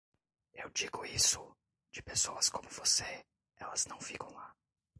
Eu digo isso; de pessoas como você, elas não ficam lá.